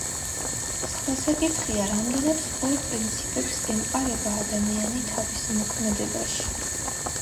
სხვა საკითხია რამდენად სწორ პრინციპებს ემყარება ადამიანი თავის მოქმედებაში.